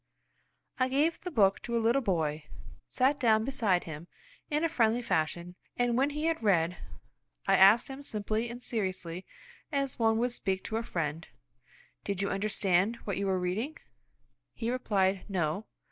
I gave the book to a little boy, sat down beside him in a friendly fashion, and when he had read I asked him simply and seriously as one would speak to a friend, "Did you understand what you were reading?" He replied: "No."